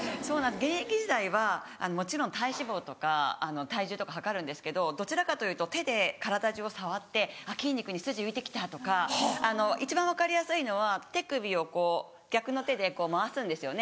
現役時代はもちろん体脂肪とか体重とか量るんですけどどちらかというと手で体中を触ってあっ筋肉に筋浮いて来たとか一番分かりやすいのは手首をこう逆の手でこう回すんですよね。